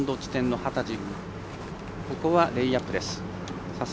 幡地、ここはレイアップです。